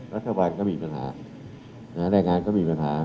รัฐบาลก็มีปัญหาแรงงานก็มีปัญหา